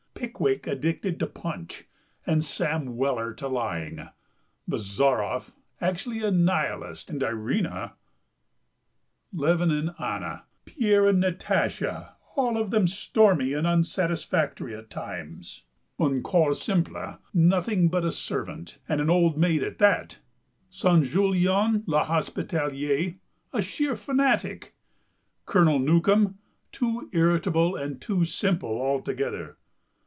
Pickwick addicted to punch, and Sam Weller to lying; Bazarof actually a Nihilist, and Irina——! Levin and Anna, Pierre and Natasha, all of them stormy and unsatisfactory at times. "Un Coeur Simple" nothing but a servant, and an old maid at that; "Saint Julien l'Hospitalier" a sheer fanatic. Colonel Newcome too irritable and too simple altogether.